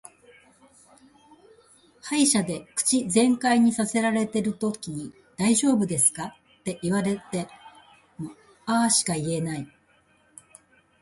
歯医者で口全開にさせられてるときに「大丈夫ですか」って言われもも「あー」しか言えない。